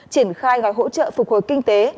triển khai gọi hỗ trợ phục hồi kinh tế